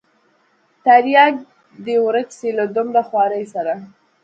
ترياک دې ورک سي له دومره خوارۍ سره.